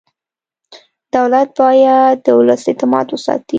دولت باید د ولس اعتماد وساتي.